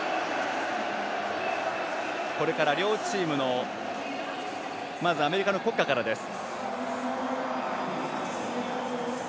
これから両チームのアメリカの国歌からです。